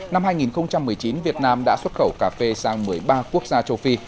năm hai nghìn một mươi chín việt nam đã xuất khẩu cà phê sang một mươi ba quốc gia châu phi